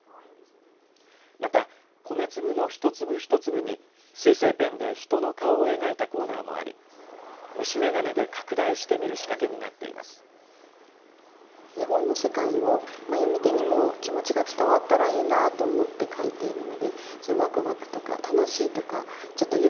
また米粒の一粒一粒に水性ペンで人の顔を描いたコーナーもあり虫眼鏡で拡大して見る仕掛けになっています。